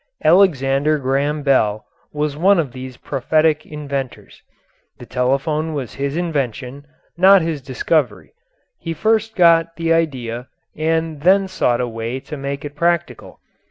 Alexander Graham Bell was one of these prophetic inventors the telephone was his invention, not his discovery. He first got the idea and then sought a way to make it practical.